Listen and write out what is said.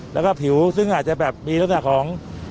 แล้วก็ผิวซึ่งอาจจะแบบมีลักษณะของ